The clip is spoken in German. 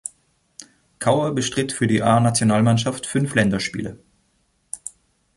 Kauer bestritt für die A-Nationalmannschaft fünf Länderspiele.